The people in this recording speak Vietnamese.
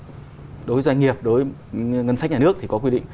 đối với doanh nghiệp đối với ngân sách nhà nước thì có quy định